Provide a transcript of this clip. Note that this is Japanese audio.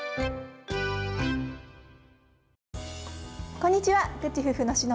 こんにちは。